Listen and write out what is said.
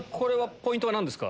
ポイントは何ですか？